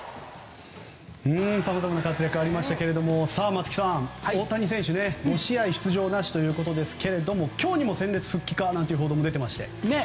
さまざまな活躍がありましたが松木さん、大谷選手２試合出場なしということですが今日にも戦列復帰かなんて報道も出ていました。